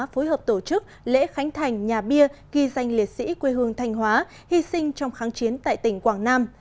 phối hợp tổ chức lễ khánh thành nhà bia ghi danh liệt sĩ quê hương thanh hóa hy sinh trong kháng chiến tại tỉnh quảng nam